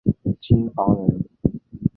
京房人。